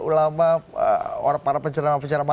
ulama para pencerama pencerama